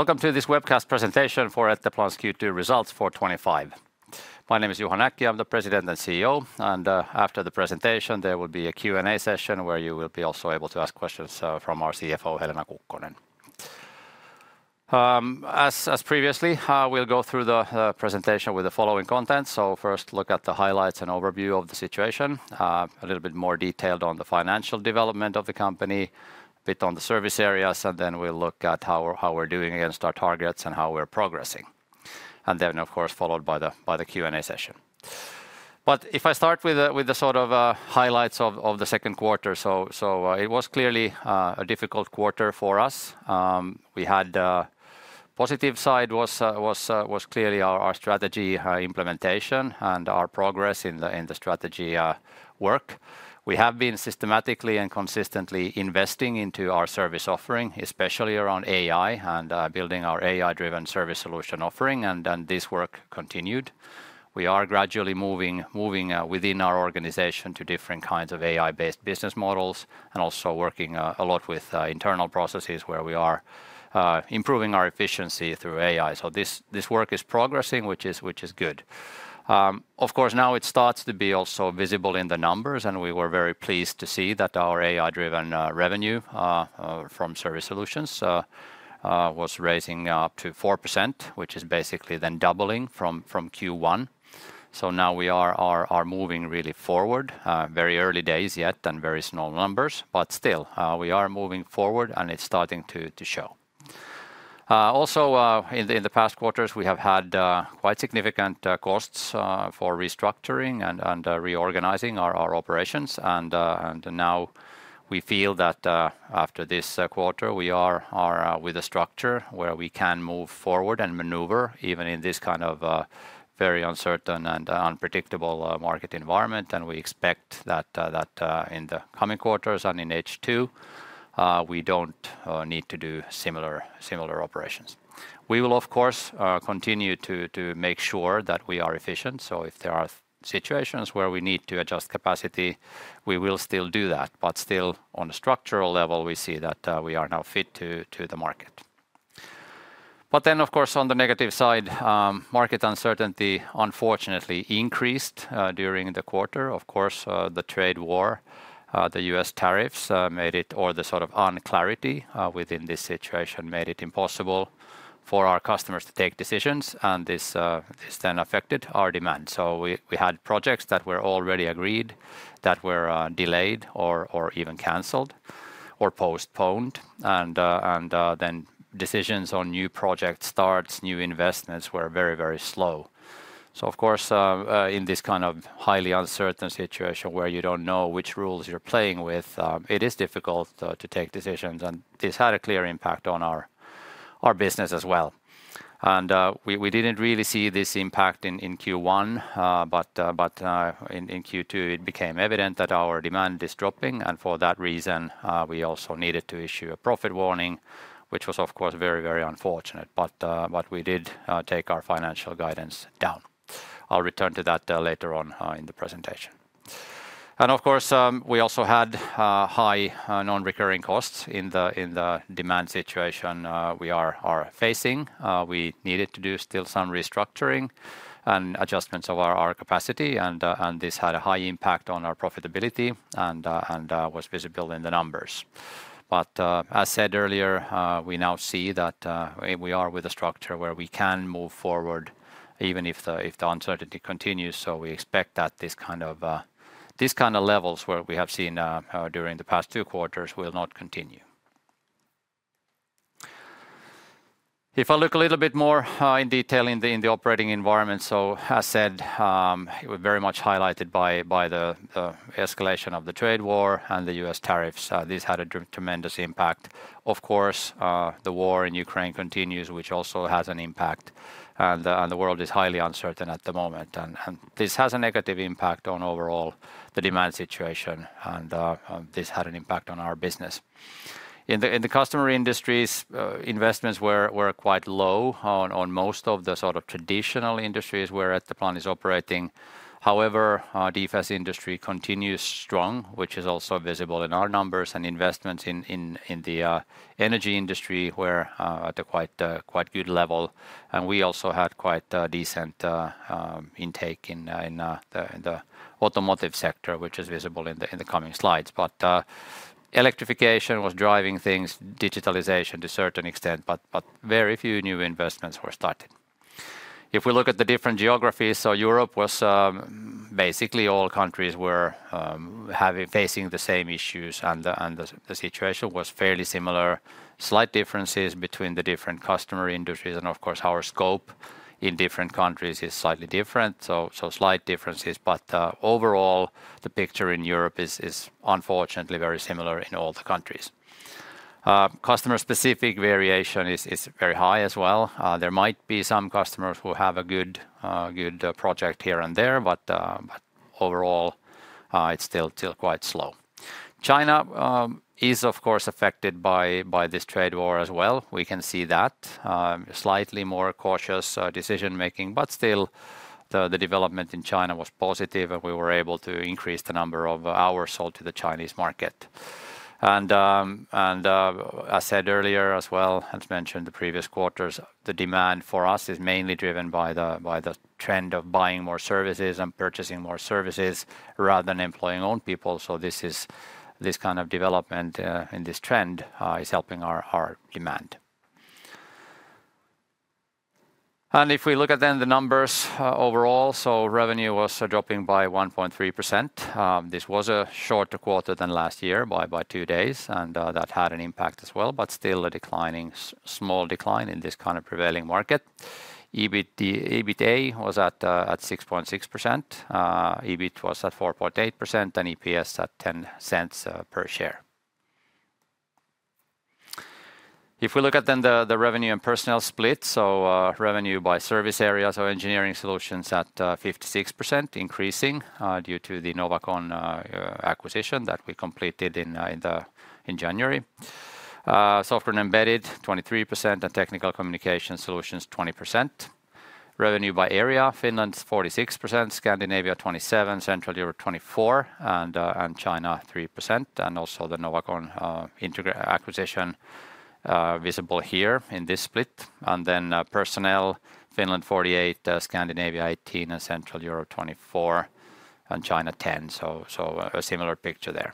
Welcome to this webcast presentation for Etteplan's Q2 results for 2025. My name is Juha Näkki, I'm the President and CEO. After the presentation, there will be a Q&A session where you will be also able to ask questions from our CFO, Helena Kukkonen. As previously, we'll go through the presentation with the following content. First, look at the highlights and overview of the situation, a little bit more detail on the financial development of the company, a bit on the service areas, and then we'll look at how we're doing against our targets and how we're progressing. This is followed by the Q&A session. If I start with the sort of highlights of the second quarter, it was clearly a difficult quarter for us. We had a positive side, which was clearly our strategy implementation and our progress in the strategy work. We have been systematically and consistently investing into our service offering, especially around AI and building our AI-driven service solution offering, and this work continued. We are gradually moving within our organization to different kinds of AI-based business models and also working a lot with internal processes where we are improving our efficiency through AI. This work is progressing, which is good. Now it starts to be also visible in the numbers, and we were very pleased to see that our AI-driven revenue from service solutions was raising up to 4%, which is basically then doubling from Q1. Now we are moving really forward, very early days yet and very small numbers, but still we are moving forward and it's starting to show. In the past quarters, we have had quite significant costs for restructuring and reorganizing our operations, and now we feel that after this quarter, we are with a structure where we can move forward and maneuver even in this kind of very uncertain and unpredictable market environment. We expect that in the coming quarters and in H2, we don't need to do similar operations. We will, of course, continue to make sure that we are efficient. If there are situations where we need to adjust capacity, we will still do that. On a structural level, we see that we are now fit to the market. On the negative side, market uncertainty unfortunately increased during the quarter. Of course, the trade war, the U.S. tariffs made it, or the sort of unclarity within this situation made it impossible for our customers to take decisions, and this then affected our demand. We had projects that were already agreed that were delayed or even canceled or postponed, and decisions on new project starts, new investments were very, very slow. In this kind of highly uncertain situation where you don't know which rules you're playing with, it is difficult to take decisions, and this had a clear impact on our business as well. We didn't really see this impact in Q1, but in Q2, it became evident that our demand is dropping, and for that reason, we also needed to issue a profit warning, which was, of course, very, very unfortunate, but we did take our financial guidance down. I'll return to that later on in the presentation. We also had high non-recurring costs in the demand situation we are facing. We needed to do still some restructuring and adjustments of our capacity, and this had a high impact on our profitability and was visible in the numbers. As said earlier, we now see that we are with a structure where we can move forward even if the uncertainty continues. We expect that this kind of levels where we have seen during the past two quarters will not continue. If I look a little bit more in detail in the operating environment, as said, it was very much highlighted by the escalation of the trade war and the U.S. tariffs. This had a tremendous impact. The war in Ukraine continues, which also has an impact, and the world is highly uncertain at the moment, and this has a negative impact on overall the demand situation, and this had an impact on our business. In the customer industries, investments were quite low on most of the sort of traditional industries where Etteplan is operating. However, the defense industry continues strong, which is also visible in our numbers, and investments in the energy industry were at a quite good level, and we also had quite decent intake in the automotive sector, which is visible in the coming slides. Electrification was driving things, digitalization to a certain extent, but very few new investments were started. If we look at the different geographies, Europe was basically all countries were facing the same issues, and the situation was fairly similar. Slight differences between the different customer industries, and of course, our scope in different countries is slightly different, so slight differences, but overall, the picture in Europe is unfortunately very similar in all the countries. Customer-specific variation is very high as well. There might be some customers who have a good project here and there, but overall, it's still quite slow. China is, of course, affected by this trade war as well. We can see that slightly more cautious decision-making, but still the development in China was positive, and we were able to increase the number of hours sold to the Chinese market. As said earlier as well, as mentioned in the previous quarters, the demand for us is mainly driven by the trend of buying more services and purchasing more services rather than employing own people. This kind of development in this trend is helping our demand. If we look at then the numbers overall, revenue was dropping by 1.3%. This was a shorter quarter than last year by two days, and that had an impact as well, but still a declining, small decline in this kind of prevailing market. EBITDA was at 6.6%. EBIT was at 4.8% and EPS at 0.10 per share. If we look at then the revenue and personnel split, revenue by service areas or Engineering Solutions at 56% increasing due to the Novacon Powertrain acquisition that we completed in January. Software and Embedded Solutions 23% and Technical Communication Solutions 20%. Revenue by area, Finland 46%, Scandinavia 27%, Central Europe 24%, and China 3%, and also the Novacon Powertrain acquisition visible here in this split. Personnel, Finland 48%, Scandinavia 18%, Central Europe 24%, and China 10%. A similar picture there.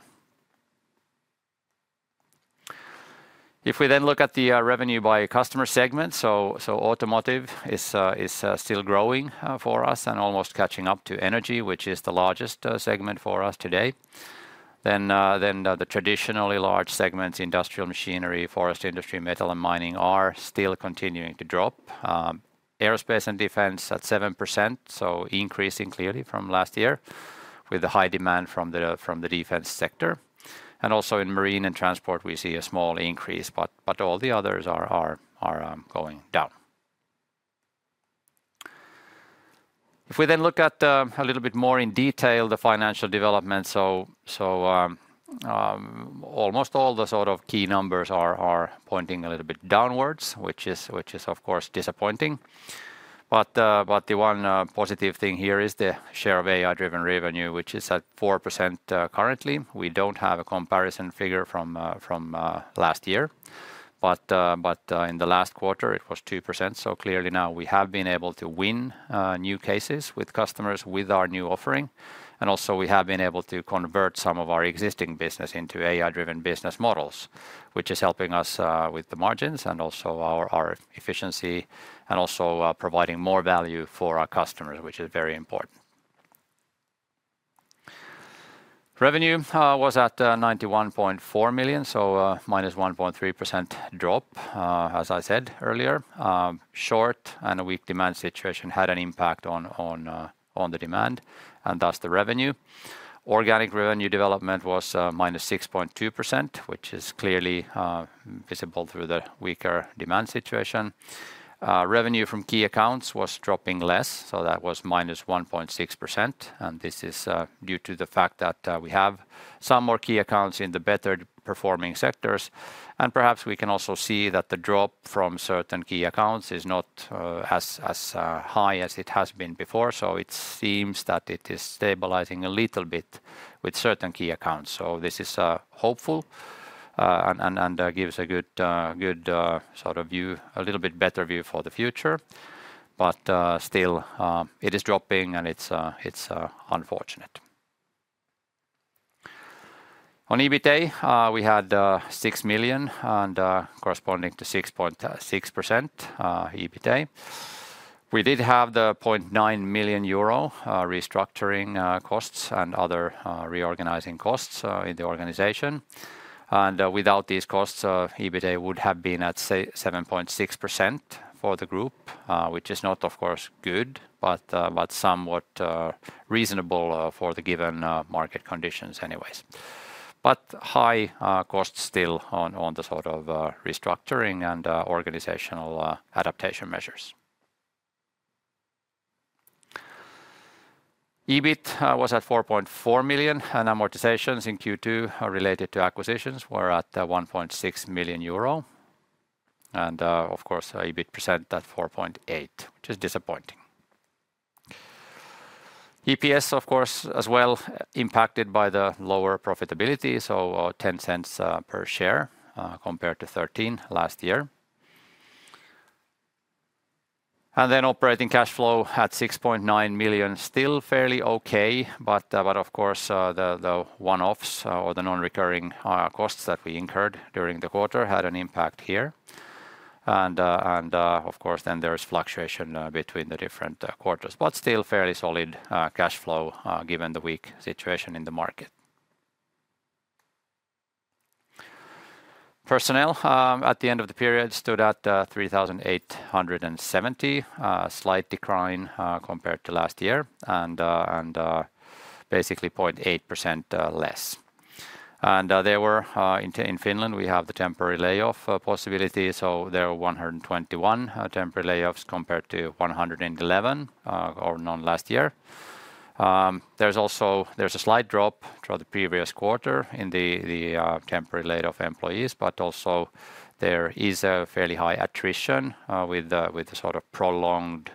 If we then look at the revenue by customer segment, automotive is still growing for us and almost catching up to energy, which is the largest segment for us today. The traditionally large segments, industrial machinery, forest industry, metal, and mining are still continuing to drop. Aerospace and defense at 7%, increasing clearly from last year with the high demand from the defense sector. In marine and transport, we see a small increase, but all the others are going down. If we then look at a little bit more in detail the financial development, almost all the sort of key numbers are pointing a little bit downwards, which is, of course, disappointing. The one positive thing here is the share of AI-driven revenue, which is at 4% currently. We don't have a comparison figure from last year, but in the last quarter, it was 2%. Clearly now we have been able to win new cases with customers with our new offering. We have also been able to convert some of our existing business into AI-driven business models, which is helping us with the margins and our efficiency and providing more value for our customers, which is very important. Revenue was at 91.4 million, so a -1.3% drop, as I said earlier. Short and weak demand situation had an impact on the demand, and that's the revenue. Organic revenue development was -6.2%, which is clearly visible through the weaker demand situation. Revenue from key accounts was dropping less, so that was -1.6%. This is due to the fact that we have some more key accounts in the better performing sectors. Perhaps we can also see that the drop from certain key accounts is not as high as it has been before. It seems that it is stabilizing a little bit with certain key accounts. This is hopeful and gives a good sort of view, a little bit better view for the future. Still, it is dropping and it's unfortunate. On EBITDA, we had 6 million and corresponding to 6.6% EBITDA. We did have the 0.9 million euro restructuring costs and other reorganizing costs in the organization. Without these costs, EBITDA would have been at 7.6% for the group, which is not, of course, good, but somewhat reasonable for the given market conditions anyways. High costs still on the sort of restructuring and organizational adaptation measures. EBIT was at 4.4 million and amortizations in Q2 related to acquisitions were at 1.6 million euro. Of course, EBIT presented at 4.8 million, which is disappointing. EPS, of course, as well impacted by the lower profitability, so 0.10 per share compared to 0.13 last year. Operating cash flow at 6.9 million, still fairly okay, but the one-offs or the non-recurring costs that we incurred during the quarter had an impact here. There is fluctuation between the different quarters, but still fairly solid cash flow given the weak situation in the market. Personnel at the end of the period stood at 3,870, a slight decline compared to last year, and basically 0.8% less. In Finland, we have the temporary layoff possibility, so there were 121 temporary layoffs compared to 111 or none last year. There's also a slight drop throughout the previous quarter in the temporary layoff employees, but also there is a fairly high attrition with the sort of prolonged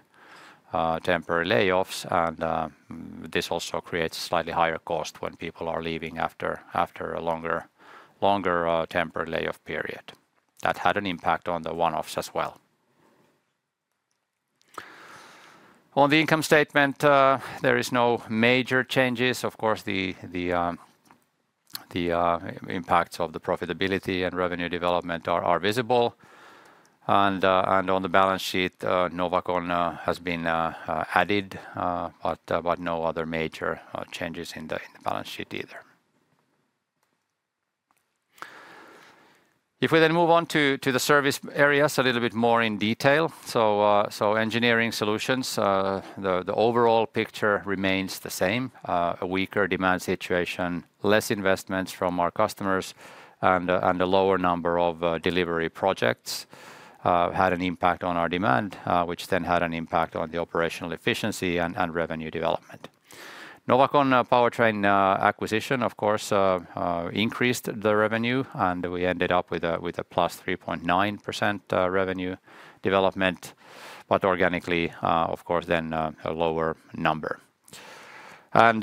temporary layoffs, and this also creates a slightly higher cost when people are leaving after a longer temporary layoff period. That had an impact on the one-offs as well. On the income statement, there are no major changes. Of course, the impacts of the profitability and revenue development are visible. On the balance sheet, Novacon has been added, but no other major changes in the balance sheet either. If we then move on to the service areas a little bit more in detail, engineering solutions, the overall picture remains the same. A weaker demand situation, less investments from our customers, and a lower number of delivery projects had an impact on our demand, which then had an impact on the operational efficiency and revenue development. Novacon Powertrain acquisition, of course, increased the revenue, and we ended up with a +3.9% revenue development, but organically, of course, then a lower number. The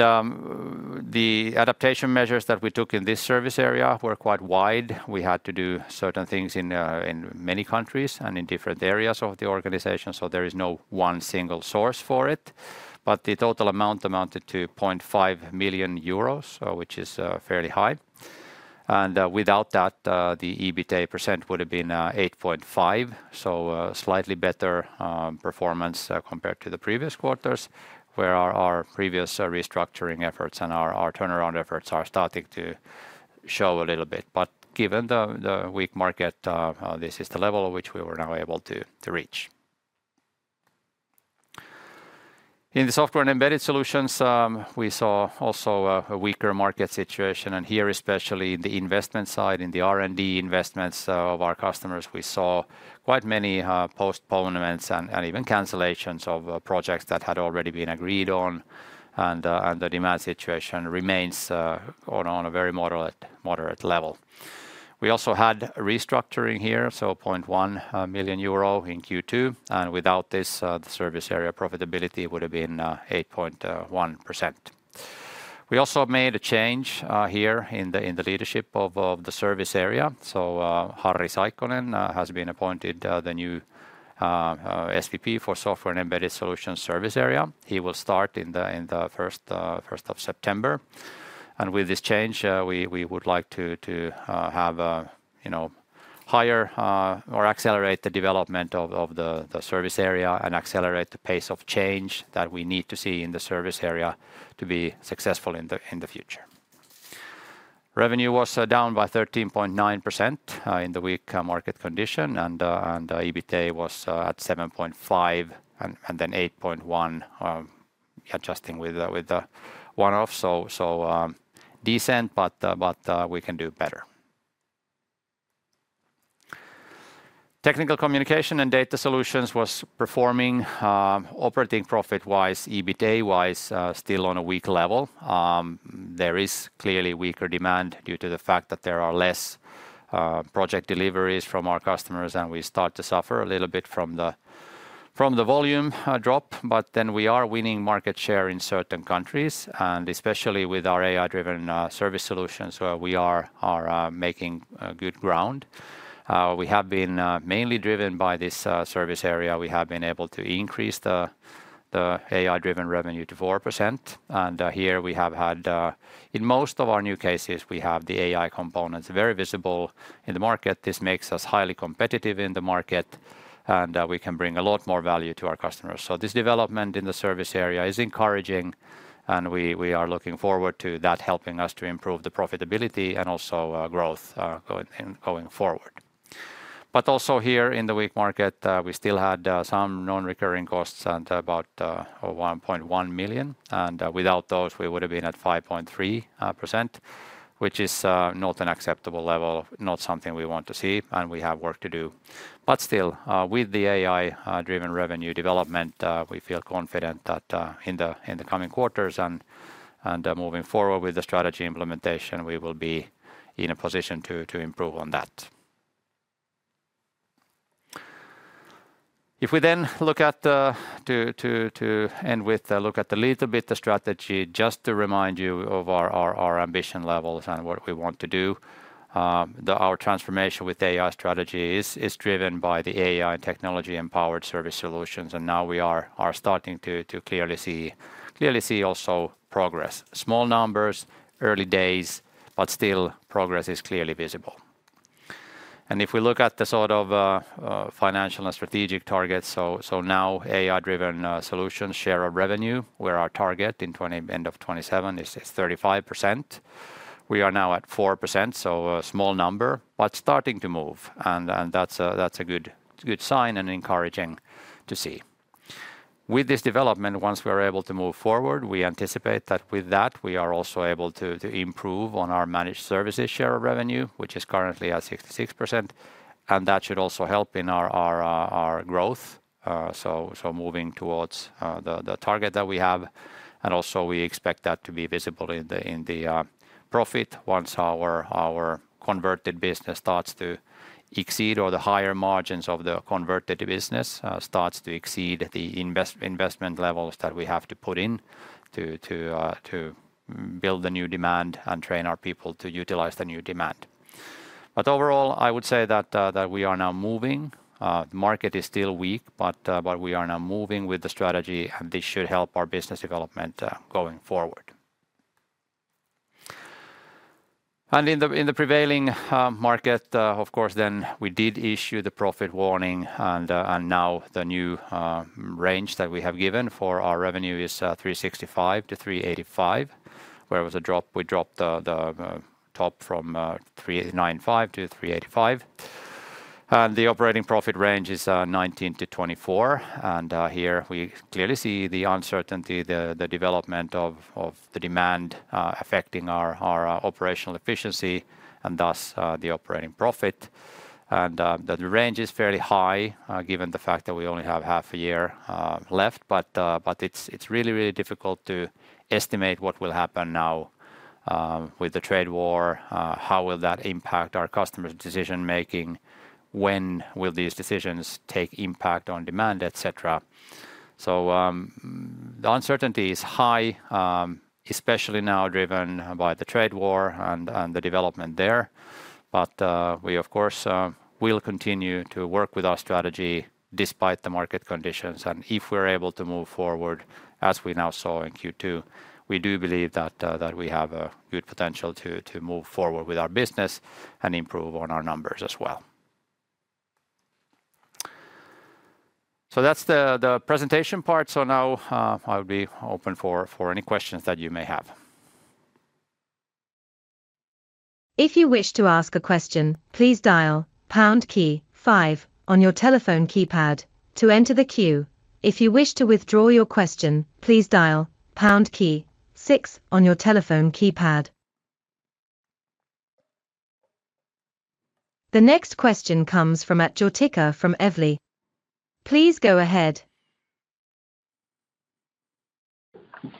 adaptation measures that we took in this service area were quite wide. We had to do certain things in many countries and in different areas of the organization, so there is no one single source for it. The total amount amounted to 0.5 million euros, which is fairly high. Without that, the EBITDA percent would have been 8.5%, so slightly better performance compared to the previous quarters, where our previous restructuring efforts and our turnaround efforts are starting to show a little bit. Given the weak market, this is the level of which we were now able to reach. In the Software and Embedded Solutions, we saw also a weaker market situation, and here especially in the investment side, in the R&D investments of our customers, we saw quite many postponements and even cancellations of projects that had already been agreed on, and the demand situation remains on a very moderate level. We also had restructuring here, so 0.1 million euro in Q2, and without this, the service area profitability would have been 8.1%. We also made a change here in the leadership of the service area, so Harri Saikkonen has been appointed the new SVP for Software and Embedded Solutions service area. He will start in the first of September, and with this change, we would like to have a higher or accelerate the development of the service area and accelerate the pace of change that we need to see in the service area to be successful in the future. Revenue was down by 13.9% in the weak market condition, and EBITDA was at 7.5% and then 8.1% adjusting with the one-off, so decent, but we can do better. Technical Communication Solutions and data solutions was performing, operating profit-wise, EBITDA-wise still on a weak level. There is clearly weaker demand due to the fact that there are less project deliveries from our customers, and we start to suffer a little bit from the volume drop, but then we are winning market share in certain countries, and especially with our AI-driven service solutions, we are making good ground. We have been mainly driven by this service area. We have been able to increase the AI-driven revenue to 4%, and here we have had, in most of our new cases, we have the AI components very visible in the market. This makes us highly competitive in the market, and we can bring a lot more value to our customers. This development in the service area is encouraging, and we are looking forward to that helping us to improve the profitability and also growth going forward. In the weak market, we still had some non-recurring costs at about 1.1 million, and without those, we would have been at 5.3%, which is not an acceptable level, not something we want to see, and we have work to do. Still, with the AI-driven revenue development, we feel confident that in the coming quarters and moving forward with the strategy implementation, we will be in a position to improve on that. If we then look at, to end with, look at a little bit of strategy, just to remind you of our ambition levels and what we want to do. Our transformation with the AI strategy is driven by the AI technology empowered service solutions, and now we are starting to clearly see also progress. Small numbers, early days, but still progress is clearly visible. If we look at the sort of financial and strategic targets, so now AI-driven solutions share of revenue, where our target in the end of 2027 is 35%, we are now at 4%, so a small number, but starting to move, and that's a good sign and encouraging to see. With this development, once we're able to move forward, we anticipate that with that, we are also able to improve on our managed services share of revenue, which is currently at 6%, and that should also help in our growth. Moving towards the target that we have, we expect that to be visible in the profit once our converted business starts to exceed or the higher margins of the converted business start to exceed the investment levels that we have to put in to build the new demand and train our people to utilize the new demand. Overall, I would say that we are now moving. The market is still weak, but we are now moving with the strategy, and this should help our business development going forward. In the prevailing market, of course, we did issue the profit warning, and now the new range that we have given for our revenue is 365 million-385 million, where it was a drop. We dropped the top from 395 million to 385 million. The operating profit range is 19 million-24 million, and here we clearly see the uncertainty, the development of the demand affecting our operational efficiency, and thus the operating profit. The range is fairly high given the fact that we only have half a year left, but it's really, really difficult to estimate what will happen now with the trade war. How will that impact our customers' decision-making? When will these decisions take impact on demand, et cetera? The uncertainty is high, especially now driven by the trade war and the development there. We, of course, will continue to work with our strategy despite the market conditions, and if we're able to move forward, as we now saw in Q2, we do believe that we have a good potential to move forward with our business and improve on our numbers as well. That's the presentation part. Now I'll be open for any questions that you may have. If you wish to ask a question, please dial pound key five on your telephone keypad to enter the queue. If you wish to withdraw your question, please dial pound key six on your telephone keypad. The next question comes from Atte Jortikka from Evli. Please go ahead.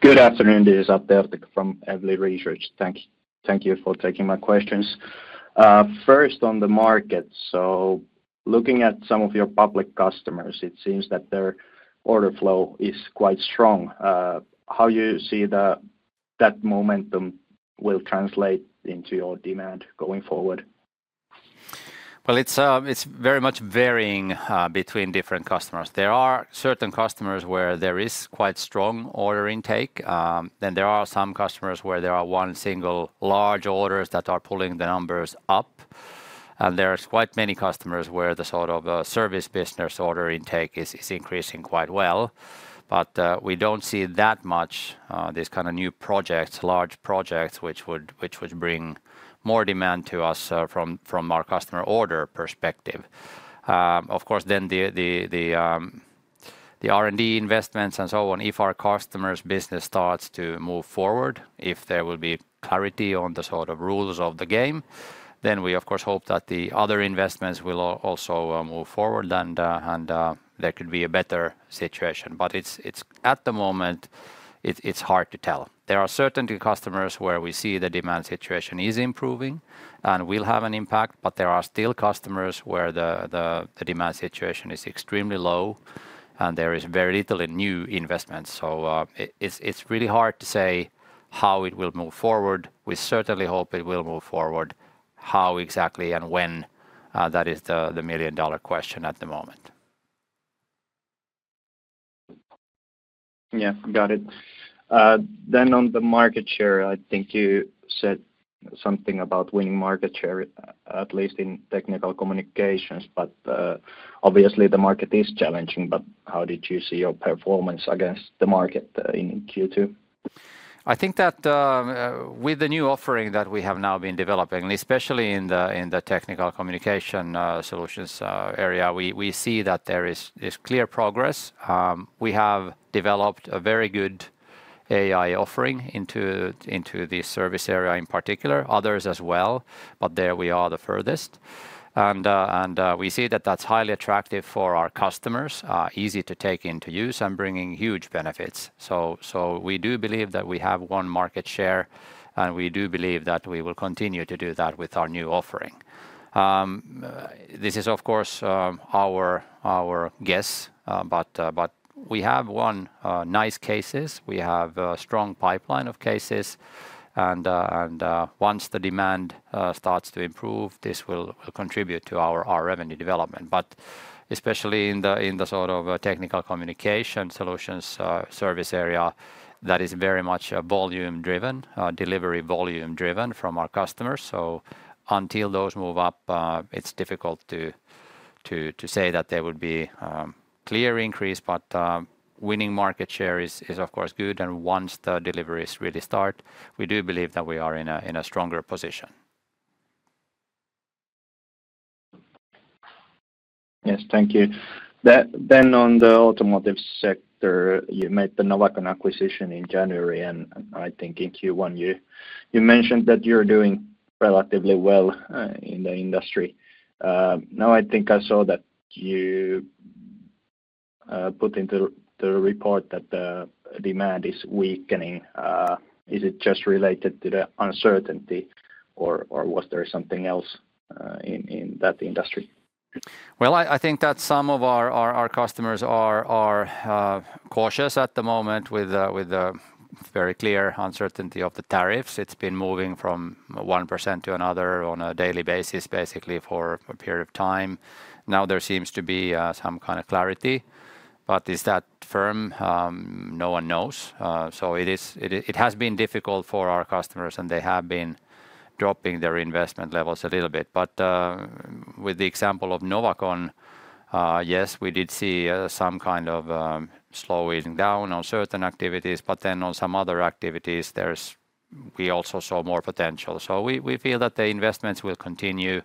Good afternoon, it is Atte from Evli Research. Thank you for taking my questions. First, on the market, looking at some of your public customers, it seems that their order flow is quite strong. How do you see that momentum will translate into your demand going forward? It is very much varying between different customers. There are certain customers where there is quite strong order intake. There are some customers where there are one single large orders that are pulling the numbers up. There are quite many customers where the sort of service business order intake is increasing quite well. We do not see that much, these kind of new projects, large projects, which would bring more demand to us from our customer order perspective. Of course, the R&D investments and so on, if our customers' business starts to move forward, if there will be clarity on the sort of rules of the game, then we, of course, hope that the other investments will also move forward and there could be a better situation. At the moment, it is hard to tell. There are certain customers where we see the demand situation is improving and will have an impact, but there are still customers where the demand situation is extremely low and there is very little in new investments. It is really hard to say how it will move forward. We certainly hope it will move forward. How exactly and when? That is the million-dollar question at the moment. Yes, got it. On the market share, I think you said something about winning market share, at least in Technical Communication Solutions, but obviously the market is challenging. How did you see your performance against the market in Q2? I think that with the new offering that we have now been developing, especially in the Technical Communication Solutions area, we see that there is clear progress. We have developed a very good AI offering into this service area in particular, others as well, but there we are the furthest. We see that that's highly attractive for our customers, easy to take into use, and bringing huge benefits. We do believe that we have won market share and we do believe that we will continue to do that with our new offering. This is, of course, our guess, but we have won nice cases. We have a strong pipeline of cases. Once the demand starts to improve, this will contribute to our revenue development. Especially in the sort of Technical Communication Solutions service area, that is very much volume-driven, delivery volume-driven from our customers. Until those move up, it's difficult to say that there would be a clear increase. Winning market share is, of course, good. Once the deliveries really start, we do believe that we are in a stronger position. Yes, thank you. On the automotive sector, you made the Novacon acquisition in January, and I think in Q1, you mentioned that you're doing relatively well in the industry. Now I think I saw that you put into the report that the demand is weakening. Is it just related to the uncertainty, or was there something else in that industry? I think that some of our customers are cautious at the moment with the very clear uncertainty of the tariffs. It's been moving from 1% to another on a daily basis, basically for a period of time. Now there seems to be some kind of clarity, but is that firm? No one knows. It has been difficult for our customers, and they have been dropping their investment levels a little bit. With the example of Novacon, yes, we did see some kind of slowing down on certain activities, but on some other activities, we also saw more potential. We feel that the investments will continue.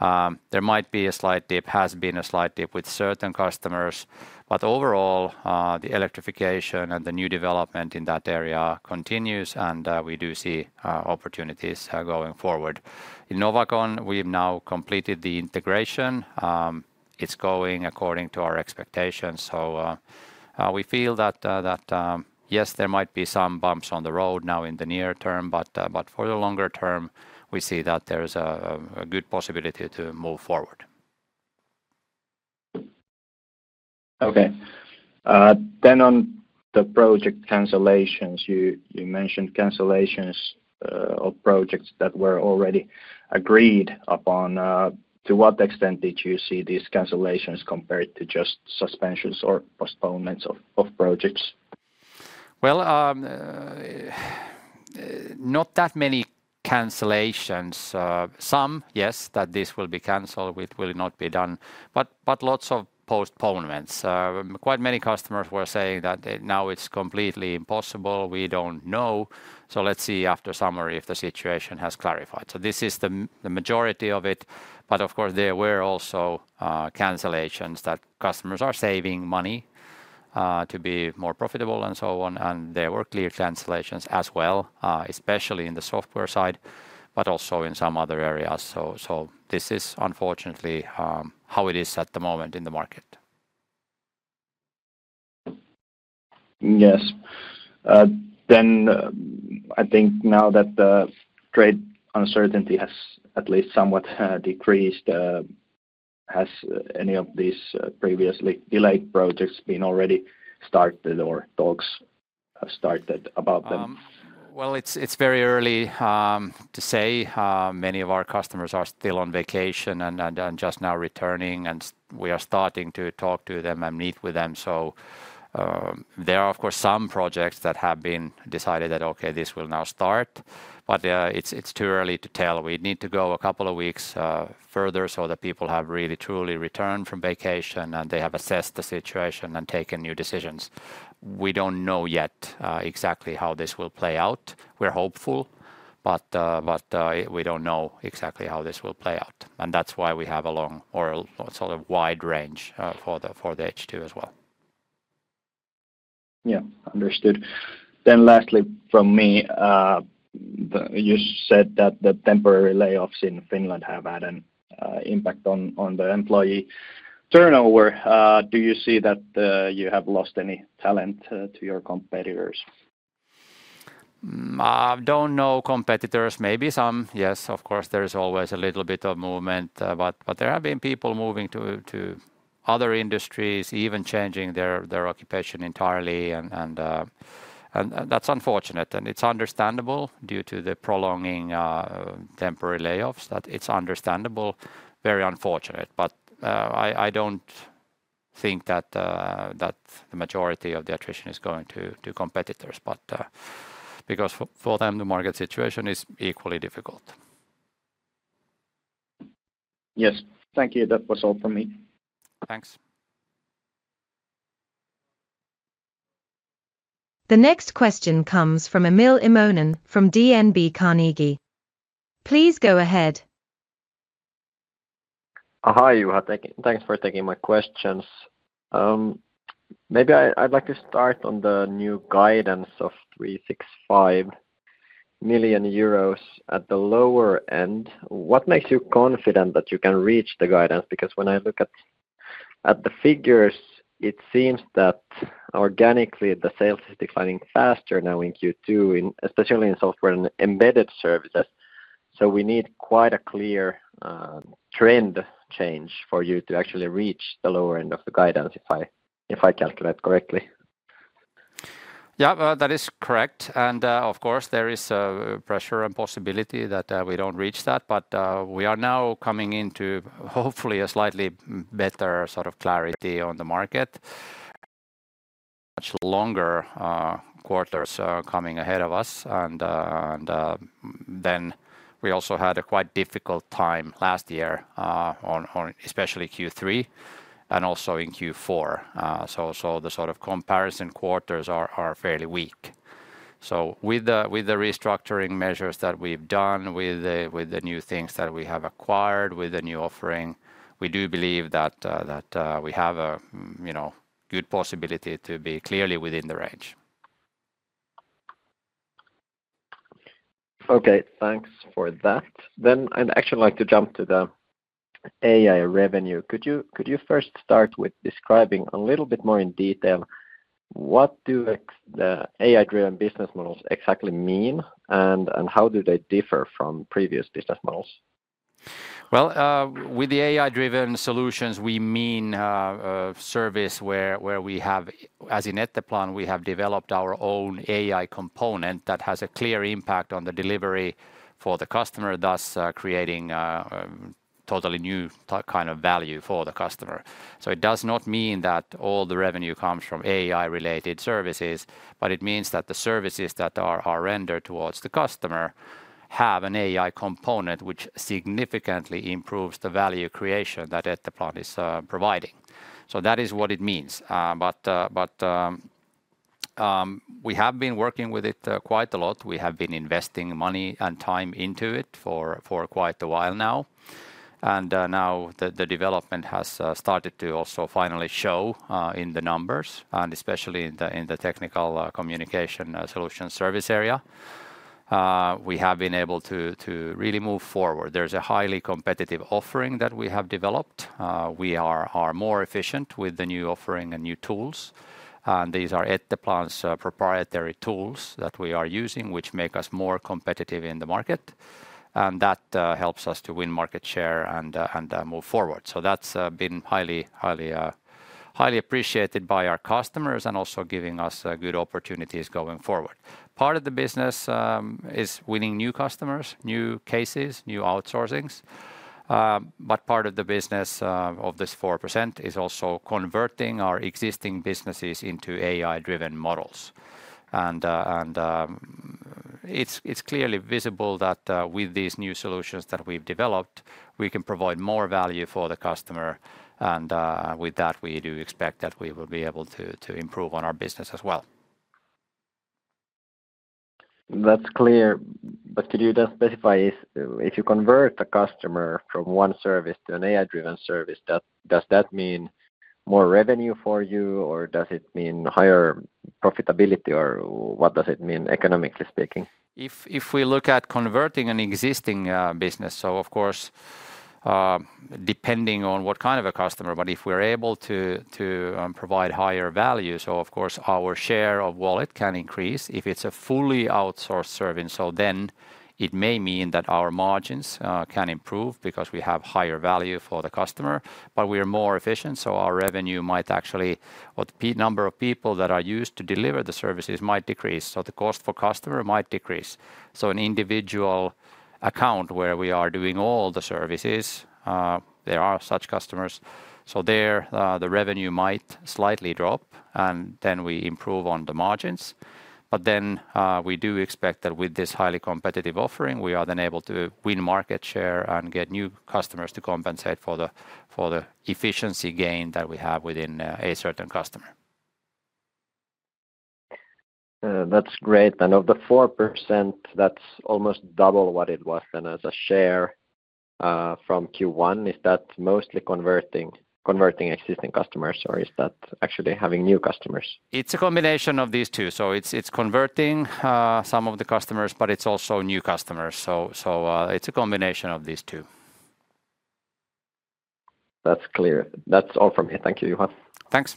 There might be a slight dip, has been a slight dip with certain customers, but overall, the electrification and the new development in that area continues, and we do see opportunities going forward. In Novacon, we've now completed the integration. It's going according to our expectations. We feel that, yes, there might be some bumps on the road now in the near term, but for the longer term, we see that there's a good possibility to move forward. Okay. On the project cancellations, you mentioned cancellations of projects that were already agreed upon. To what extent did you see these cancellations compared to just suspensions or postponements of projects? Not that many cancellations. Some, yes, that this will be canceled, which will not be done, but lots of postponements. Quite many customers were saying that now it's completely impossible. We don't know. Let's see after summary if the situation has clarified. This is the majority of it, but of course, there were also cancellations that customers are saving money to be more profitable and so on, and there were clear cancellations as well, especially in the software side, but also in some other areas. This is unfortunately how it is at the moment in the market. I think now that the trade uncertainty has at least somewhat decreased, has any of these previously delayed projects been already started or talks started about them? It is very early to say. Many of our customers are still on vacation and just now returning, and we are starting to talk to them and meet with them. There are, of course, some projects that have been decided that, okay, this will now start, but it's too early to tell. We need to go a couple of weeks further so that people have really truly returned from vacation and they have assessed the situation and taken new decisions. We don't know yet exactly how this will play out. We're hopeful, but we don't know exactly how this will play out. That's why we have a long or a wide range for the H2 as well. Yeah, understood. Lastly from me, you said that the temporary layoffs in Finland have had an impact on the employee turnover. Do you see that you have lost any talent to your competitors? I don't know competitors. Maybe some, yes. Of course, there's always a little bit of movement, but there have been people moving to other industries, even changing their occupation entirely, and that's unfortunate. It's understandable due to the prolonging temporary layoffs; it's understandable, very unfortunate. I don't think that a majority of the attrition is going to competitors, because for them, the market situation is equally difficult. Yes, thank you. That was all for me. Thanks. The next question comes from Emil Immonen from DNB Carnegie. Please go ahead. Hi, Juha. Thanks for taking my questions. Maybe I'd like to start on the new guidance of 365 million euros at the lower end. What makes you confident that you can reach the guidance? Because when I look at the figures, it seems that organically the sales is declining faster now in Q2, especially in Software and Embedded Solutions. We need quite a clear trend change for you to actually reach the lower end of the guidance if I calculate correctly. Yeah, that is correct. Of course, there is a pressure and possibility that we don't reach that, but we are now coming into hopefully a slightly better sort of clarity on the market. Much longer quarters are coming ahead of us, and we also had a quite difficult time last year, especially Q3 and also in Q4. The sort of comparison quarters are fairly weak. With the restructuring measures that we've done, with the new things that we have acquired, with the new offering, we do believe that we have a good possibility to be clearly within the range. Okay, thanks for that. I'd actually like to jump to the AI revenue. Could you first start with describing a little bit more in detail what do the AI-driven business models exactly mean and how do they differ from previous business models? With the AI-driven solutions, we mean a service where we have, as in Etteplan, developed our own AI component that has a clear impact on the delivery for the customer, thus creating a totally new kind of value for the customer. It does not mean that all the revenue comes from AI-related services, but it means that the services that are rendered towards the customer have an AI component which significantly improves the value creation that Etteplan is providing. That is what it means. We have been working with it quite a lot. We have been investing money and time into it for quite a while now, and now the development has started to also finally show in the numbers. Especially in the Technical Communication Solutions service area, we have been able to really move forward. There's a highly competitive offering that we have developed. We are more efficient with the new offering and new tools, and these are Etteplan's proprietary tools that we are using, which make us more competitive in the market. That helps us to win market share and move forward. That's been highly appreciated by our customers and also giving us good opportunities going forward. Part of the business is winning new customers, new cases, new outsourcings. Part of the business of this 4% is also converting our existing businesses into AI-driven models. It's clearly visible that with these new solutions that we've developed, we can provide more value for the customer, and with that, we do expect that we will be able to improve on our business as well. That's clear, but could you just specify if you convert the customer from one service to an AI-driven service, does that mean more revenue for you, or does it mean higher profitability, or what does it mean economically speaking? If we look at converting an existing business, of course, depending on what kind of a customer, if we're able to provide higher value, our share of wallet can increase. If it's a fully outsourced service, it may mean that our margins can improve because we have higher value for the customer, but we are more efficient, so our revenue might actually, or the number of people that are used to deliver the services might decrease, so the cost for customer might decrease. In an individual account where we are doing all the services, there are such customers, the revenue might slightly drop and we improve on the margins. We do expect that with this highly competitive offering, we are then able to win market share and get new customers to compensate for the efficiency gain that we have within a certain customer. That's great. Of the 4%, that's almost double what it was then as a share from Q1. Is that mostly converting existing customers, or is that actually having new customers? It's a combination of these two. It's converting some of the customers, but it's also new customers. It's a combination of these two. That's clear. That's all from me. Thank you, Juha. Thanks.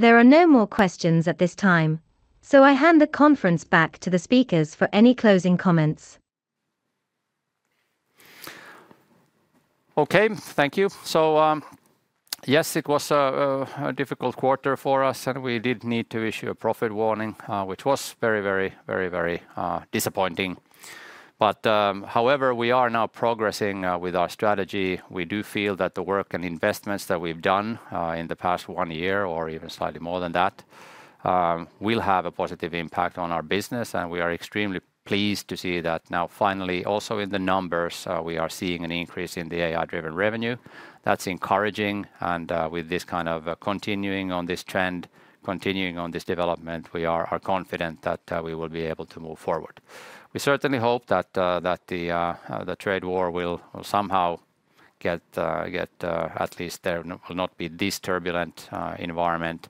There are no more questions at this time, so I hand the conference back to the speakers for any closing comments. Okay, thank you. Yes, it was a difficult quarter for us and we did need to issue a profit warning, which was very, very, very, very disappointing. However, we are now progressing with our strategy. We do feel that the work and investments that we've done in the past one year or even slightly more than that will have a positive impact on our business and we are extremely pleased to see that now finally also in the numbers we are seeing an increase in the AI-driven revenue. That's encouraging and with this kind of continuing on this trend, continuing on this development, we are confident that we will be able to move forward. We certainly hope that the trade war will somehow get at least there will not be this turbulent environment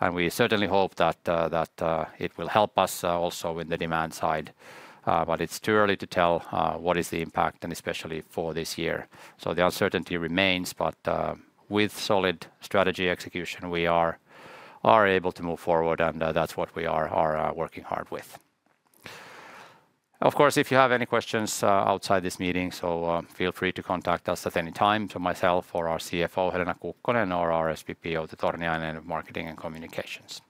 and we certainly hope that it will help us also with the demand side, but it's too early to tell what is the impact and especially for this year. The uncertainty remains, but with solid strategy execution, we are able to move forward and that's what we are working hard with. Of course, if you have any questions outside this meeting, feel free to contact us at any time, to myself or our CFO, Helena Kukkonen, or our SVP of Marketing and Communications.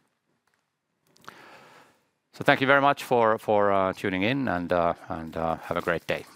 Thank you very much for tuning in and have a great day.